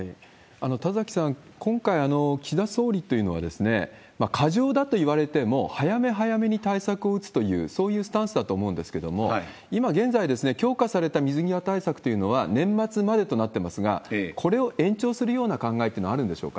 田崎さん、今回、岸田総理というのは、過剰だといわれても、早め早めに対策を打つという、そういうスタンスだと思うんですけれども、今現在、強化された水際対策というのは、年末までとなってますが、これを延長するような考えというのはあるんでしょうか？